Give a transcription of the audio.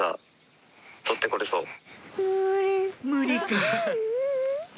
無理か！